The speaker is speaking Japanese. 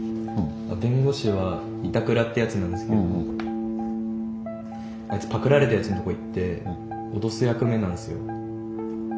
弁護士は板倉ってやつなんですけどあいつパクられたやつのとこ行って脅す役目なんですよ。